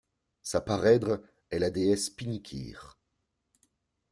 Sa parèdre est la déesse Pinikir.